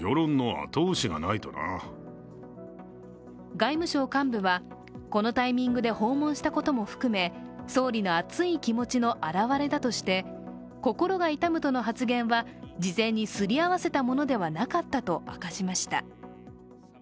外務省幹部は、このタイミングで訪問したことも含め、総理の熱い気持ちの表れだとして心が痛むとの発言は事前にすりあわせたものではなかったと明かしました。